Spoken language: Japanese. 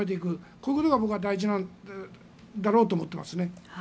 このことが僕は大事なんだろうと思っていますね。